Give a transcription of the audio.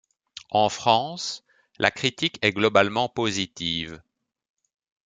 En France la critique est globalement positive.